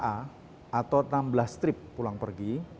atau enam belas trip pulang pergi